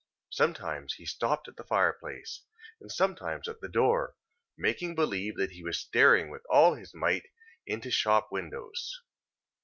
Sometimes he stopped at the fire place, and sometimes at the door, making believe that he was staring with all his might into shop windows.